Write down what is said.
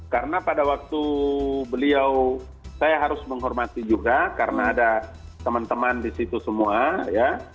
karena pada waktu beliau saya harus menghormati juga karena ada teman teman di situ semua ya